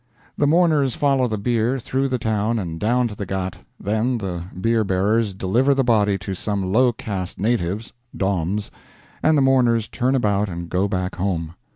The mourners follow the bier through the town and down to the ghat; then the bier bearers deliver the body to some low caste natives Doms and the mourners turn about and go back home.